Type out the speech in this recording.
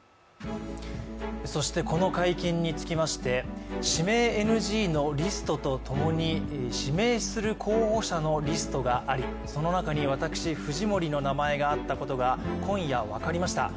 そしてこの会見につきまして指名ＮＧリストとともに指名する候補者のリストがあり、その中に私、藤森の名前があったことが今夜、分かりました。